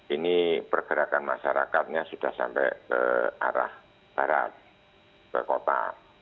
ini pergerakan masyarakatnya sudah sampai ke arah barat ke kota